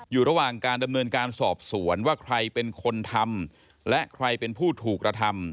อยู่ระหว่างการดำเนินการสอบสวนว่าใครเป็นคนทำและใครเป็นผู้ถูกกระทำ